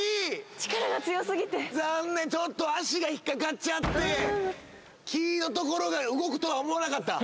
力が強すぎて残念ちょっと足が引っかかっちゃって木のところが動くとは思わなかった？